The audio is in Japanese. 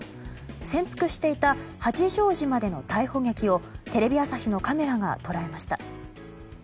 潜伏していた八丈島での逮捕劇をテレビ朝日のカメラが捉えました。